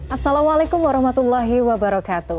assalamualaikum warahmatullahi wabarakatuh